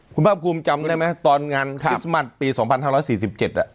คุณภาคภูมิจำได้ไหมตอนงานคริสต์มัสปี๒๕๔๗อ่ะ